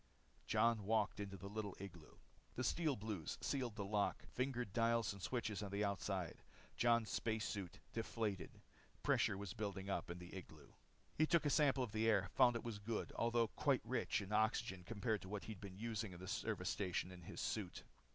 Jon walked into the little igloo. The Steel Blues sealed the lock, fingered dials and switches on the outside. Jon's space suit deflated. Pressure was building up in the igloo. He took a sample of the air, found that it was good, although quite rich in oxygen compared with what he'd been using in the service station and in his suit.